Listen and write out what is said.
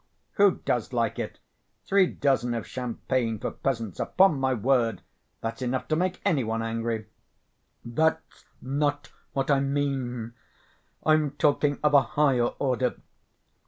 "Who does like it? Three dozen of champagne for peasants, upon my word, that's enough to make any one angry!" "That's not what I mean. I'm talking of a higher order.